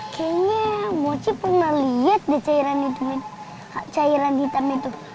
kayaknya moci pernah liat deh cairan hitam itu